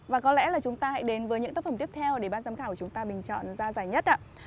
và có lẽ là chúng ta hãy đến với những tác phẩm tiếp theo để ban giám khảo của chúng ta bình chọn ra giải nhất ạ